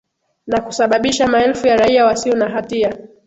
na kusababisha maelfu ya raia wasio na hatia